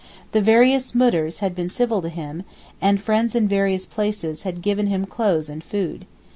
The various Moudirs had been civil to him, and friends in various places had given him clothes and food.